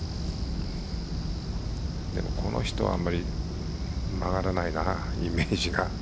でも、この人はあまり曲がらないな、イメージが。